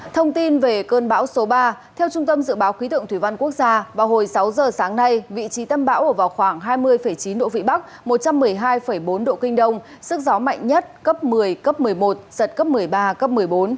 thông tin về cơn bão số ba theo trung tâm dự báo khí tượng thủy văn quốc gia vào hồi sáu giờ sáng nay vị trí tâm bão ở vào khoảng hai mươi chín độ vĩ bắc một trăm một mươi hai bốn độ kinh đông sức gió mạnh nhất cấp một mươi cấp một mươi một giật cấp một mươi ba cấp một mươi bốn